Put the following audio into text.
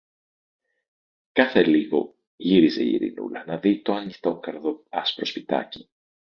Κάθε λίγο γύριζε η Ειρηνούλα να δει το ανοιχτόκαρδο άσπρο σπιτάκι